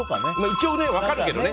一応、分かるけどね。